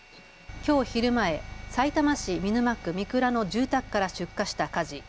きょう昼前、さいたま市見沼区御蔵の住宅から出火した火事。